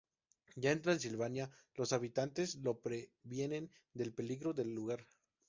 Ya en Transilvania, los habitantes lo previenen del peligro del lugar.